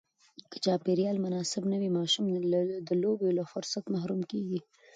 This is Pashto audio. که چاپېریال مناسب نه وي، ماشومان د لوبو له فرصت محروم کېږي.